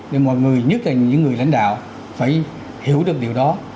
để mọi người nhất là những người lãnh đạo phải hiểu được điều đó